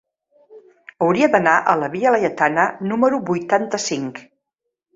Hauria d'anar a la via Laietana número vuitanta-cinc.